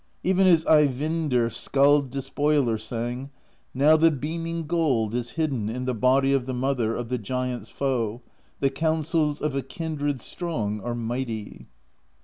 Even as Eyvindr Skald Despoiler sang: Now the beaming gold is hidden In the body of the Mother Of the Giants' Foe; the counsels Of a kindred strong are mighty.